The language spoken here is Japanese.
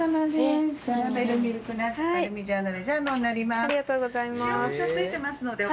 ありがとうございます。